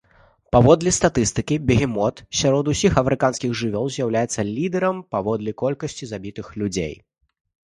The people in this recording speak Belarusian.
Паводле статыстыкі, бегемот сярод усіх афрыканскіх жывёл з'яўляецца лідарам паводле колькасці забітых людзей.